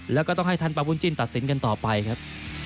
แล้วก็ต้องให้ทันประบุญจินตัดสินกันต่อไปครับ